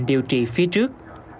điều trị phía trước